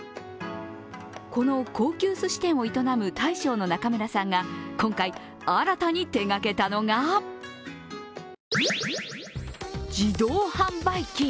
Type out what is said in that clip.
この高級すし店を営む大将の中村さんが今回、新たに手がけたのが自動販売機。